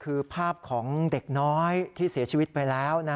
คือภาพของเด็กน้อยที่เสียชีวิตไปแล้ว